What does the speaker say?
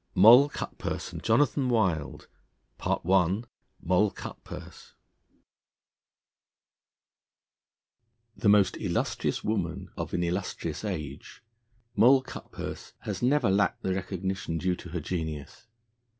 MOLL CUTPURSE AND JONATHAN WILD I MOLL CUTPURSE THE most illustrious woman of an illustrious age, Moll Cutpurse has never lacked the recognition due to her genius.